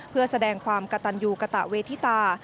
เพื่อแสดงความกระตันยูกระตะเวทิตา